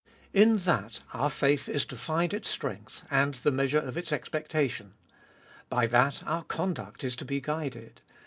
In that our faith is to find its strength, and the measure of its expectation. By that our conduct is to be guided.